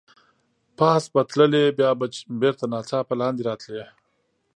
پاس به تللې، بیا به بېرته ناڅاپه لاندې راتلې.